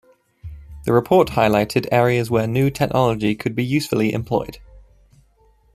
The report highlighted areas where new technology could be usefully employed.